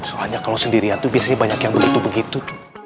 soalnya kalau sendirian itu biasanya banyak yang begitu begitu